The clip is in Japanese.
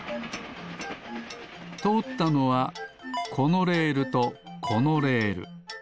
とおったのはこのレールとこのレール。